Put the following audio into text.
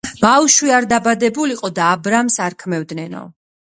ბავშვი არ დაბადებულიყო და აბრამს არქმევდნენო.